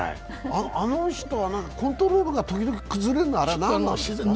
あの人はコントロールが時々崩れるのは、あれは何なんですか。